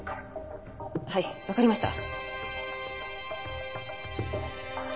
はいわかりました。